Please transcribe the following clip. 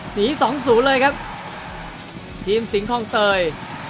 หนีสองศูนย์เลยครับทีมสิงคลองเตย